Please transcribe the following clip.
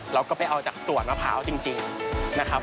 เราก็ไปเอาจากสวนมะพร้าวจริงนะครับ